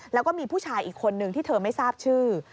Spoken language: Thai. แล้วก็มีผู้ชายอีกคนนึงที่เธอไม่ทราบชื่อ